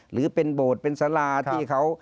หรือเป็นโบสถ์เป็นสาราที่เขา